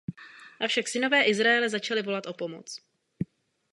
Avšak synové Izraele začali volat o pomoc.